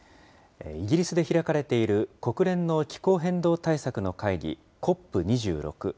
イギリスで開かれている国連の気候変動対策の会議、ＣＯＰ２６。